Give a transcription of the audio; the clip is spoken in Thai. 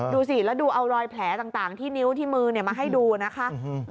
ดูสิแล้วดูเอารอยแผลต่างที่นิ้วที่มือมาให้ดูนะคะ